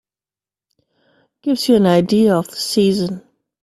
Gives you an idea of the season.